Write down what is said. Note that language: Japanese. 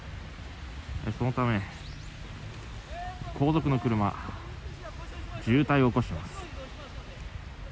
そのため、後続の車が渋滞を起こしています。